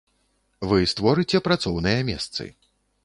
Вы створыце працоўныя месцы.